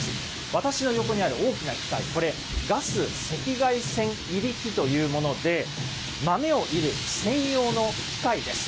私の横にある大きな機械、これ、ガス赤外線煎り機というもので、豆をいる専用の機械です。